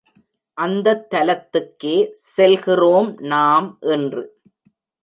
அந்தத் தலத்துக்கே செல்கிறோம் நாம் இன்று.